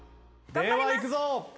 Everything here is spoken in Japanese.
ではいくぞ！